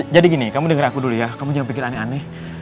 jadi gini kamu denger aku dulu ya kamu jangan pikir aneh aneh